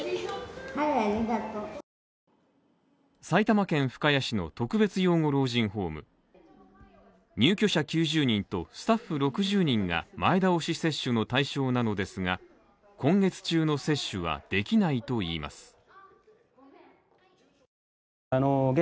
埼玉県深谷市の特別養護老人ホーム入居者９０人とスタッフ６０人が、前倒し接種の対象なのですが今月中の接種はできないといいます。